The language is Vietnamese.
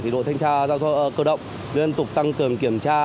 thì đội thanh tra giao thông cơ động liên tục tăng cường kiểm tra